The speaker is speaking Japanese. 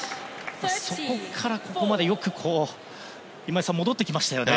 そこからここまで、よく今井さん、戻ってきましたよね。